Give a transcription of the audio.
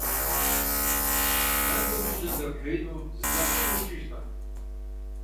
Фэндым уи жьэм дэпхьеину зы дзэкъэгъуи илъыжтэкъым.